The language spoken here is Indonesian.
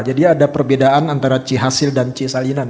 jadi ada perbedaan antara c hasil dan c salinan